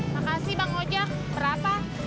makasih bang ojak berapa